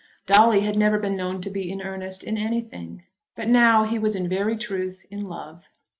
Dolly had never been known to be in earnest in anything; but now he was in very truth in love.